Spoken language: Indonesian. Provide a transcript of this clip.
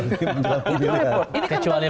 ini kan tantangan